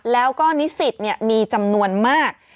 แล้วก็นิสิตมีจำนวนมาก